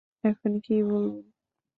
এখন কী বলবেন?